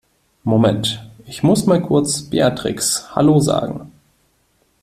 Moment, ich muss mal kurz Beatrix Hallo sagen.